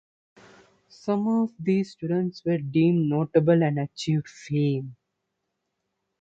Some of those students were deemed notable and achieved fame.